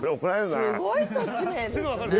すごい土地名ですね。